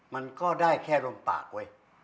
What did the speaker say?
มันก็ได้แค่ลมปากเว้ย